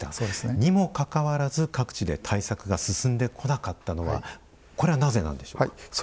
にもかかわらず、各地で対策が進んでこなかったのはこれは、なぜなんでしょうか？